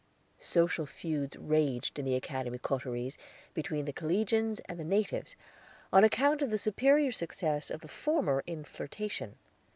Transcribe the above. Social feuds raged in the Academy coteries between the collegians and the natives on account of the superior success of the former in flirtation.